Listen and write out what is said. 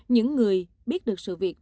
những người biết được sự việc